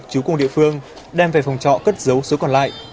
chú công địa phương đem về phòng trọ cất giấu số còn lại